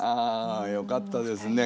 あよかったですね。